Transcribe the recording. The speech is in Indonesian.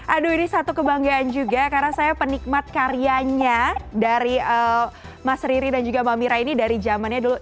aduh ini satu kebanggaan juga karena saya penikmat karyanya dari mas riri dan juga mbak mira ini dari zamannya dulu